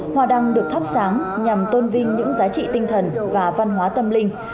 hoa đăng được thắp sáng nhằm tôn vinh những giá trị tinh thần và văn hóa tâm linh